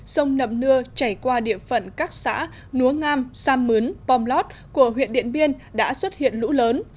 sông nậm nưa chảy qua địa phận các xã núa ngam sam mướn pom lót của huyện điện biên đã xuất hiện lũ lớn